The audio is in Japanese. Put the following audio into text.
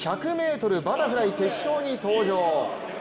１００ｍバタフライ決勝に登場。